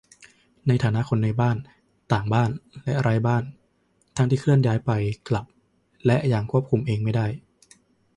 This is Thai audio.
ในฐานะคนในบ้าน ต่างบ้าน และไร้บ้าน ทั้งที่เคลื่อนย้ายไป กลับ และอย่างควบคุมเองไม่ได้